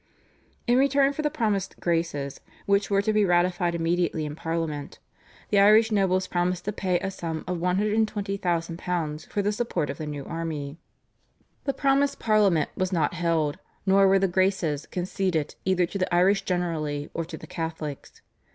In return for the promised "Graces," which were to be ratified immediately in Parliament, the Irish nobles promised to pay a sum of £120,000 for the support of the new army. The promised Parliament was not held, nor were the "Graces" conceded either to the Irish generally or to the Catholics.